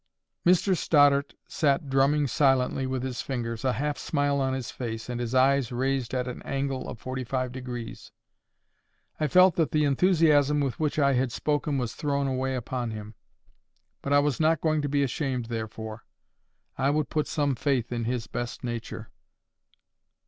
Mr Stoddart sat drumming silently with his fingers, a half smile on his face, and his eyes raised at an angle of forty five degrees. I felt that the enthusiasm with which I had spoken was thrown away upon him. But I was not going to be ashamed therefore. I would put some faith in his best nature.